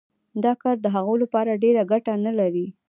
دا کار د هغوی لپاره ډېره ګټه نلري